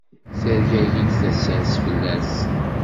Tergagi-d tasa-s fell-as.